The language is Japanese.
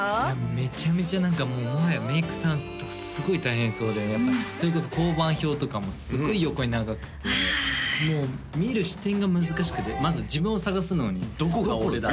めちゃめちゃ何かもうもはやメイクさんとかすごい大変そうでやっぱりそれこそ香盤表とかもすごい横に長くてもう見る視点が難しくてまず自分を探すのにどこが俺だ？